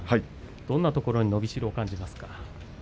どんなときに伸びしろを感じますか？